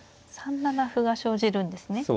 ３七歩が生じるんですね。